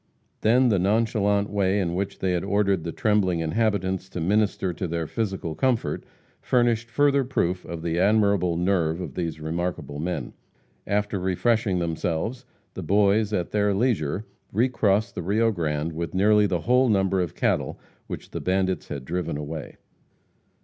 Then, the nonchalant way in which they ordered the trembling inhabitants to minister to their physical comfort, furnished another proof of the admirable nerve of these remarkable men. After refreshing themselves, the Boys, at their leisure, recrossed the Rio Grande with nearly the whole number of cattle which the bandits had driven away.